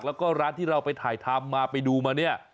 แล้วก็ร้านที่เราไปถ่ายทำมาไปดูมาเนี่ย